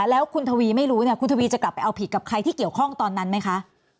แล้วคุณทวีไม่รู้เนี่ยคุณทวีจะกลับไปเอาผิดกับใครที่เกี่ยวข้องตอนนั้นไหมคะ